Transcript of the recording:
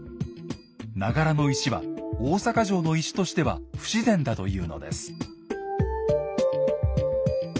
長柄の石は大坂城の石としては不自然だというのです。